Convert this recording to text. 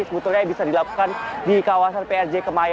sebetulnya bisa dilakukan di kawasan prj kemayoran